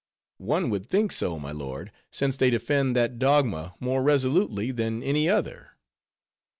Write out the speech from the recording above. "One would think so, my lord, since they defend that dogma more resolutely than any other.